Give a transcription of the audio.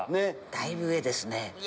だいぶ上ですね。